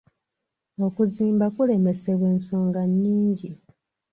Okuzimba kulemesebwa ensonga nnyingi.